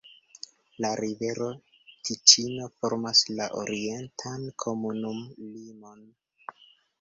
La rivero Tiĉino formas la orientan komunumlimon.